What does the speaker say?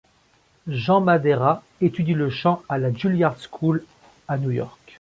Jean Madeira étudie le chant à la Juilliard School à New York.